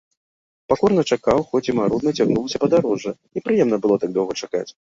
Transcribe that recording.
Пакорна чакаў, хоць і марудна цягнулася падарожжа, непрыемна было так доўга чакаць.